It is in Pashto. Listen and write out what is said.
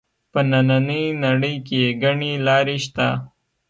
په نننۍ نړۍ کې ګڼې لارې شته